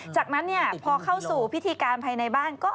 จากนั้นพอเข้าสู่พิธีการภายในบ้าน